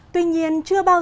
tuy nhiên chưa bắt đầu